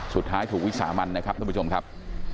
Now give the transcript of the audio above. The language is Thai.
สุดท้ายถูกวิสามันนะครับท่านผู้ชมครับ